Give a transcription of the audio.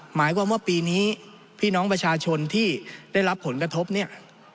หมายความว่าปีนี้พี่น้องประชาชนที่ได้รับผลกระทบเนี่ย